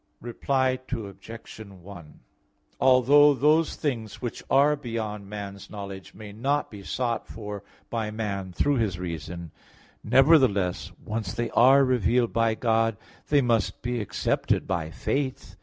Reply Obj. 1: Although those things which are beyond man's knowledge may not be sought for by man through his reason, nevertheless, once they are revealed by God, they must be accepted by faith.